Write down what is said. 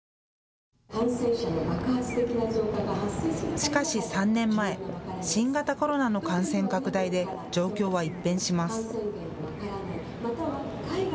しかし３年前、新型コロナの感染拡大で状況は一変します。